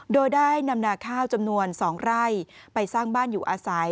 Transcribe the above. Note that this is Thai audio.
โดยได้นำนาข้าวจำนวน๒ไร่ไปสร้างบ้านอยู่อาศัย